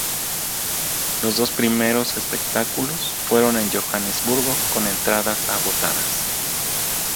Los dos primeros espectáculos fueron en Johannesburgo con entradas agotadas.